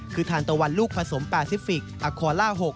คือทานตะวันลูกผสมแปซิฟิกอาคอล่า๖